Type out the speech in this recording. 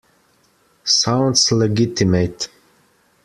Sounds legitimate.